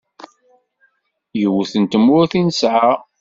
Yiwet n tmurt i nesɛa.